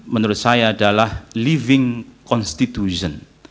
menurut saya adalah living constitution